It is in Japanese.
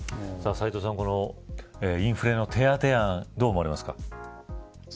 斎藤さん、このインフレの手当案、どう思いますか。